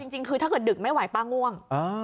จริงคือถ้าเกิดดึกไม่ไหวป้าง่วง